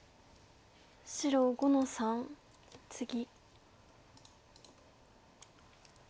白５の三ツギ。